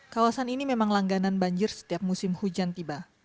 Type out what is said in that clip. kawasan ini memang langganan banjir setiap musim hujan tiba